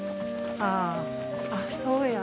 ああそうや。